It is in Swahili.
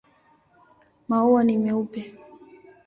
Maua ni meupe.